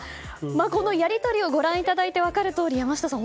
このやり取りをご覧いただいて分かるとおり、山下さん